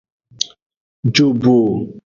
Jobo.